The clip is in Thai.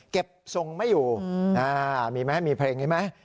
ทรงไม่อยู่มีไหมมีเพลงนี้ไหม